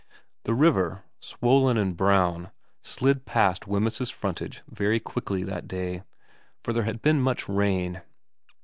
The river, swollen and brown, slid past Wemyss's frontage very quickly that day, for there had been much rain.